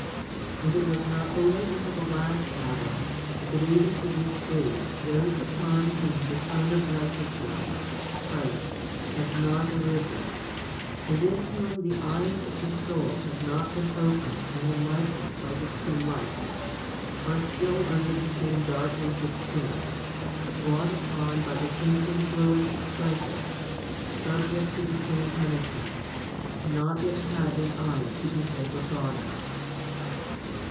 And it was not only until the last Adam, but even to this day those upon whom the Sun of righteousness, 1 Christ, has not arisen, and in whom the eyes of the soul have not been opened and enlightened by the true light, are still under the same darkness of sin, wrought upon by the same influence of pleasures, subject to the same punishment, not yet having eyes to behold the Father.